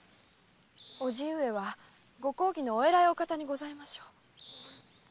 伯父上はご公儀のお偉いお方にございましょう？